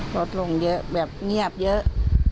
ลดลงเยอะแบบเงียบเยอะ